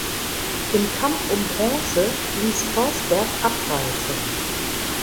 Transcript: Im Kampf um Bronze ließ Forsberg abreißen.